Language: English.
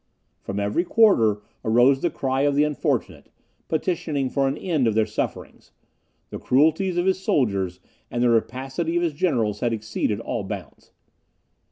From every quarter arose the cry of the unfortunate, petitioning for an end of their sufferings; the cruelties of his soldiers, and the rapacity of his generals, had exceeded all bounds.